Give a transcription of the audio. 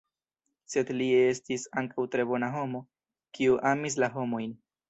Sed li estis ankaŭ tre bona homo, kiu amis la homojn.